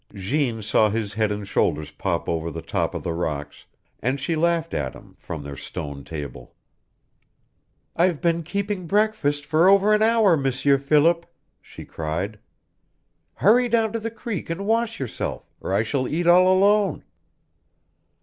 Jeanne saw his head and shoulders pop over the top of the rocks, and she laughed at him from their stone table. "I've been keeping breakfast for over an hour, M'sieur Philip," she cried. "Hurry down to the creek and wash yourself, or I shall eat all alone!"